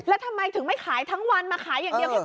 แล้วทำไมถึงไม่ขายทั้งวันมาขายอย่างเดียว